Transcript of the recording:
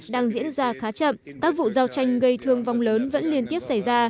đang diễn ra khá chậm các vụ giao tranh gây thương vong lớn vẫn liên tiếp xảy ra